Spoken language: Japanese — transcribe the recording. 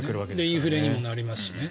インフレにもなりますし。